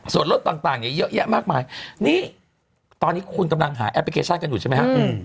ส่วนรถต่างเนี่ยเยอะแยะมากมายนี่ตอนนี้คุณกำลังหาแอปพลิเคชันกันอยู่ใช่ไหมครับ